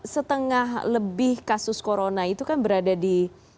setengah lebih kasus corona itu kan berada di